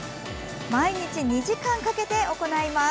毎日２時間かけて行います。